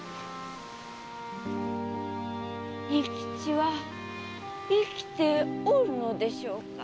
仁吉は生きておるのでしょうか？